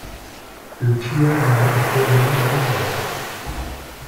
Lucia malte vorwiegend Porträts.